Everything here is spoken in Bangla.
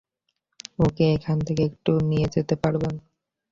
ওকে এখান থেকে একটু নিয়ে যেতে পারবেন?